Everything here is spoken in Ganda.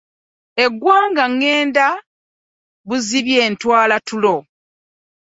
Ewange ŋŋenda buzibye ntwala tulo.